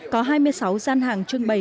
có hai mươi sáu gian hạng trưng bày